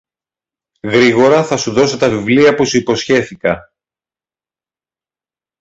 γρήγορα θα σου δώσω τα βιβλία που σου υποσχέθηκα